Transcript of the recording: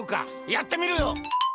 やってみるよ！